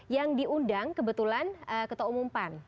yang diundang kebetulan ketua umum pan